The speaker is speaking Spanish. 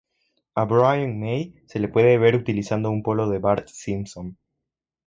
A Brian May se le puede ver utilizando un polo de Bart Simpson.